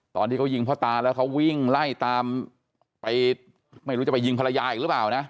ตอนที่เขายิงพ่อตาแล้วเขาวิ่งไล่ตามไปไม่รู้จะไปยิงภรรยาอีกหรือเปล่านะ